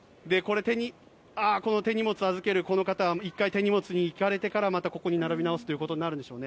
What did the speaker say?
この手荷物を預けるこの方は一回、手荷物に行かれてからまた並び直すことになるんでしょうね。